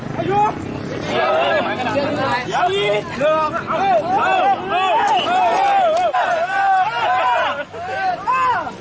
ก็ไม่มีอัศวินทรีย์ขึ้นมา